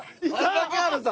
槙原さん！